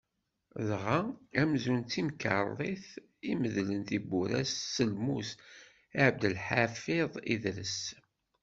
Dɣa amzun d timkerḍit i imedlen tiwura-s s lmut n Ɛebdelḥafiḍ Idres.